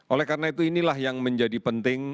oleh karena itu inilah yang menjadi penting